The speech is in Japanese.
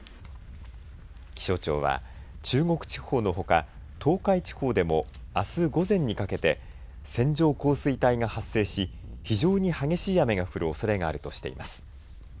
気象庁は中国地方のほか東海地方でも、あす午前にかけて線状降水帯が発生し非常に激しい雨が降るおそれがあるとしています。